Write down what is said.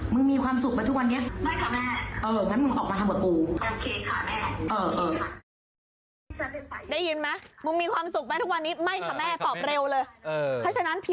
มีความสุขมาทุกวันนี้